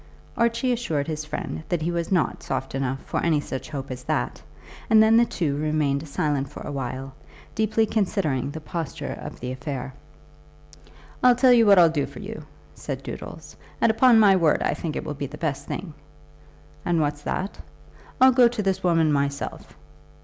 Archie assured his friend that he was not soft enough for any such hope as that, and then the two remained silent for a while, deeply considering the posture of the affair. "I'll tell you what I'll do for you," said Doodles; "and upon my word I think it will be the best thing." "And what's that?" "I'll go to this woman myself."